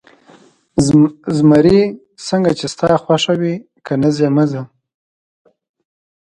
زمري: څنګه چې ستا خوښه وي، که نه ځې، مه ځه.